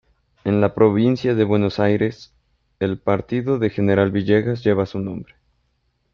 En la provincia de Buenos Aires, el Partido de General Villegas lleva su nombre.